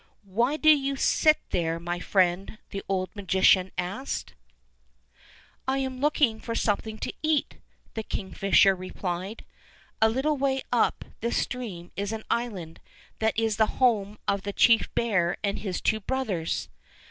''Why do you sit there3 my friend.^^" the old magician asked. 54 Fairy Tale Bears am looking for something to eat," the kingfisher replied. ''A little way up this stream is an island that is the home of the chief bear and his two brothers.